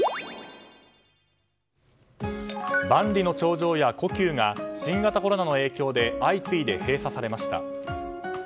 万里の長城や故宮が新型コロナの影響で相次いで閉鎖されました。